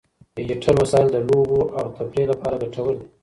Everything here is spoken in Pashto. ډیجیټل وسایل د لوبو او تفریح لپاره ګټور دي.